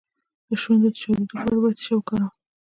د شونډو د چاودیدو لپاره باید څه شی وکاروم؟